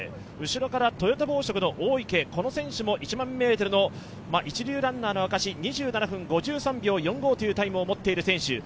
後ろからトヨタ紡織の大池、この選手も１００００ｍの一流ランナーの証し、２７分５７秒４５というタイムを持っている選手。